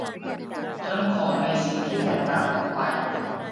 ฉันขอในสิ่งที่แตกต่างออกไป